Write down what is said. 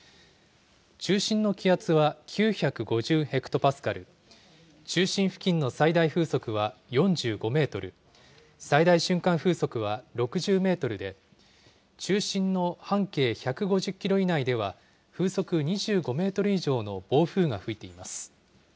中心の気圧は９５０ヘクトパスカル、中心付近の最大風速は４５メートル、最大瞬間風速は６０メートルで、中心の半径１５０キロ以内では、風速２５メートル以上の暴風が吹いています。